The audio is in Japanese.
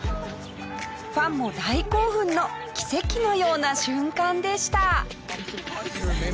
ファンの大興奮の奇跡のような瞬間でした。